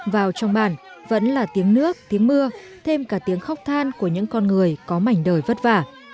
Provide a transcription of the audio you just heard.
vào trong bản vẫn là tiếng nước tiếng mưa thêm cả tiếng khóc than của những con người có mảnh đời vất vả